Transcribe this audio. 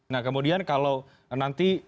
nah kemudian kalau nanti